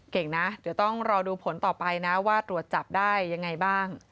เก่งนะเดี๋ยวต้องรอดูผลต่อไปนะว่าตรวจจับได้ยังไงบ้าง